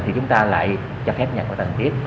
thì chúng ta lại cho phép nhà hạ tầng tiếp